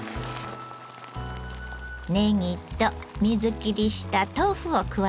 ねぎと水切りした豆腐を加えます。